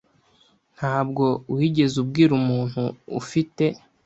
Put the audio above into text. Ntabwo wigeze ubwira umuntu, ufite?